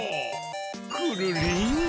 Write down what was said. くるりん。